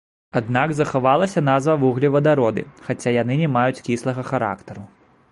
Аднак захавалася назва вуглевадароды, хаця яны не маюць кіслага характару.